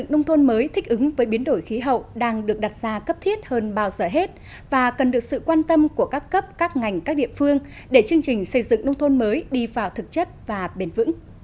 nông thôn mới thích ứng với biến đổi khí hậu đang được đặt ra cấp thiết hơn bao giờ hết và cần được sự quan tâm của các cấp các ngành các địa phương để chương trình xây dựng nông thôn mới đi vào thực chất và bền vững